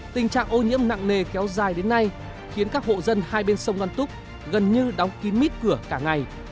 tình trạng ô nhiễm nặng nề kéo dài đến nay khiến các hộ dân hai bên sông loan túc gần như đóng kín mít cửa cả ngày